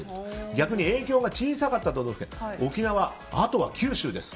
逆に影響が小さかった都道府県沖縄、あとは九州です。